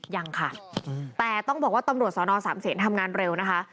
ยังค่ะแต่ต้องบอกว่าตำรวจสอนอสามเศษทำงานเร็วนะคะ